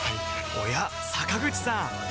おや坂口さん